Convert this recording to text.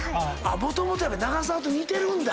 もともと長澤と似てるんだ。